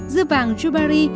dưa vàng yubari